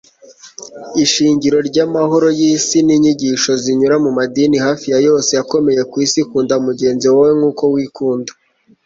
ishingiro ryamahoro yisi ninyigisho zinyura mumadini hafi ya yose akomeye kwisi kunda mugenzi wawe nk'uko wikunda